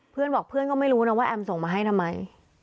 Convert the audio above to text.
เพื่อนบอกเพื่อนก็ไม่รู้นะว่าแอมส่งมาให้ทำไม